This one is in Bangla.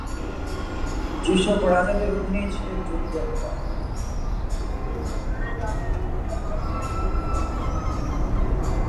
সেসব রাজাদের অধীনেই ছিলেন জমিদাররা।